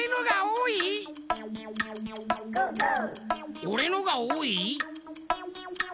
おれのがおおい？